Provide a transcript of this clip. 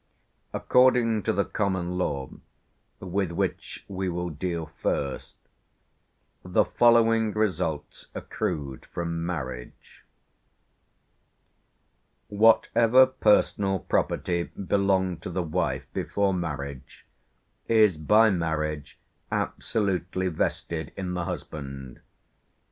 According to the common law with which we will deal first the following results accrued from marriage: "Whatever personal property belonged to the wife before marriage, is by marriage absolutely vested in the husband...